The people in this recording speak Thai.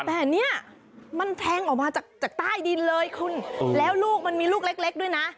แต่เนี่ยมันแทงออกมาจากใต้ดินเลยคุณแล้วลูกมันมีลูกเล็กด้วยนะ